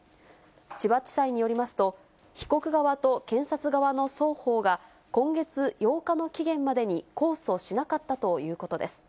千葉地裁によりますと、被告側と検察側の双方が、今月８日の期限までに控訴しなかったということです。